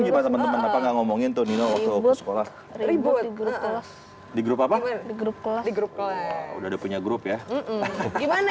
gimana ngomongin tuh nino waktu sekolah ribut di grup apa di grup grup udah punya grup ya gimana